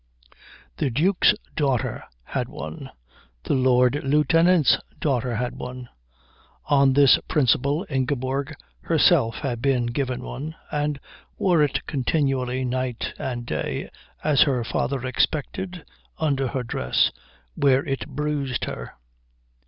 The Duke's daughter had one. The Lord Lieutenant's daughter had one. On this principle Ingeborg herself had been given one, and wore it continually night and day, as her father expected, under her dress, where it bruised her.